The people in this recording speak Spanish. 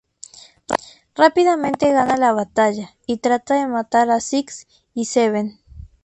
Rápidamente gana la batalla, y trata de matar a Six y Seven.